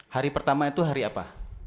hari pertama itu hari apa